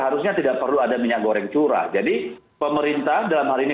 harusnya tidak perlu ada minyak goreng curah jadi pemerintah dalam hal ini